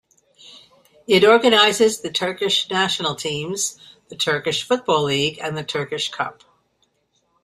It organizes the Turkish national teams, the Turkish football league and the Turkish Cup.